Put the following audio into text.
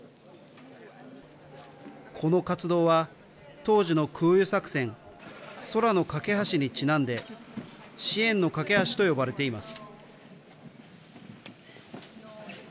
この活動は、当時の空輸作戦、空のかけ橋にちなんで、支援のかけ橋と呼ばれています。